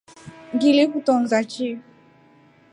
Ngilikutoonza shi.